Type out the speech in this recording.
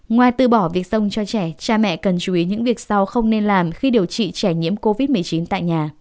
ngoài từ bỏ việc sông cho trẻ cha mẹ cần chú ý những việc sau không nên làm khi điều trị trẻ nhiễm covid một mươi chín tại nhà